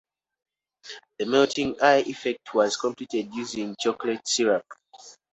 The melting eye effect was completed using chocolate syrup.